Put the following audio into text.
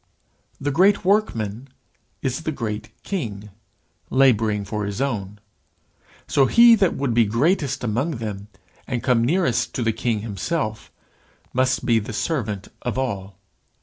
The great Workman is the great King, labouring for his own. So he that would be greatest among them, and come nearest to the King himself, must be the servant of all.